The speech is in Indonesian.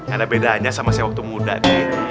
ada bedanya sama saya waktu muda deh